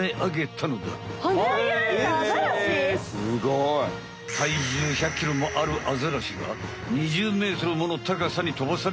すごい。体重１００ｋｇもあるアザラシが２０ｍもの高さに飛ばされたのよ。